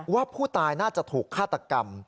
ว่าผู้ตายน่าจะถูกฆาตกรรม